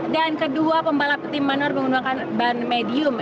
dan kedua pembalap tim manor menggunakan ban medium